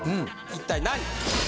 一体何？